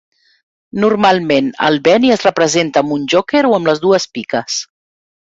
Normalment, el Benny es representa amb un Joker o amb les dues piques.